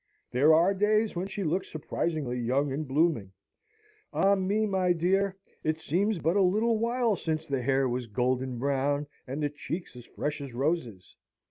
There are days when she looks surprisingly young and blooming. Ah me, my dear, it seems but a little while since the hair was golden brown, and the cheeks as fresh as roses!